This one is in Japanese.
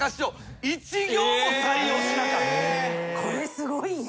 これすごいね。